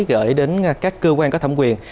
gửi đến các cơ quan có thẩm quyền